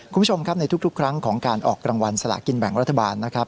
คุณผู้ชมครับในทุกครั้งของการออกรางวัลสละกินแบ่งรัฐบาลนะครับ